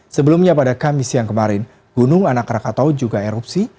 sebelumnya pada kamis yang kemarin gunung anakrakatau juga erupsi